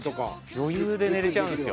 余裕で寝れちゃうんですよ。